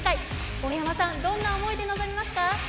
大山さん、どんな思いで臨みますか？